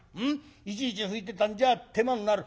いちいち拭いてたんじゃ手間になる。